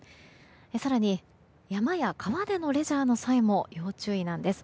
更に、山や川でのレジャーの際にも要注意なんです。